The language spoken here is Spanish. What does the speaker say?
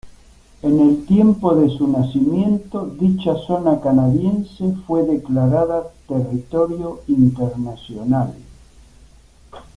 En el tiempo de su nacimiento, dicha zona canadiense fue declarada Territorio Internacional.